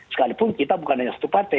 sekalipun kita bukan hanya satu partai